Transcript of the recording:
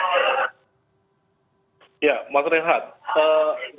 bagaimanapun juga organisasi sebesar nakdotal ulama itu pasti memiliki bobot politik